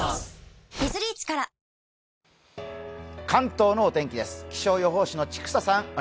関東のお天気です、気象予報士の千種さん